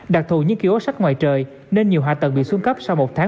đặc thù những kiểu sách ngoài trời nên nhiều hạ tầng bị xuân cấp sau một tháng